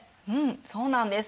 そうなんです。